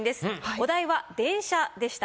お題は「電車」でした。